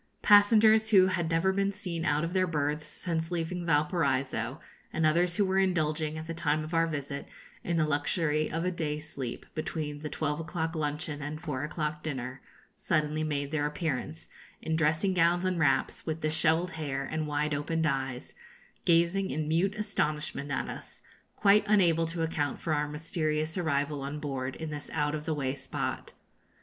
Passengers who had never been seen out of their berths since leaving Valparaiso, and others who were indulging, at the time of our visit, in the luxury of a 'day sleep,' between the twelve o'clock luncheon and four o'clock dinner, suddenly made their appearance, in dressing gowns and wraps, with dishevelled hair and wide opened eyes, gazing in mute astonishment at us, quite unable to account for our mysterious arrival on board in this out of the way spot.